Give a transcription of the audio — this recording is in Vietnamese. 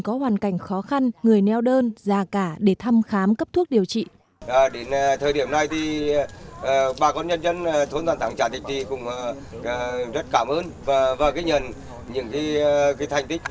có hoàn cảnh khó khăn người neo đơn già cả để thăm khám cấp thuốc điều trị